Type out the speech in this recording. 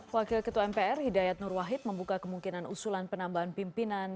wakil ketua mpr hidayat nur wahid membuka kemungkinan usulan penambahan pimpinan